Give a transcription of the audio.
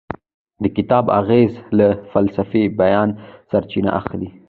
د کتاب اغیز له فلسفي بیانه سرچینه اخلي.